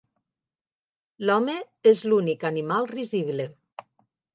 L'home és l'únic animal risible.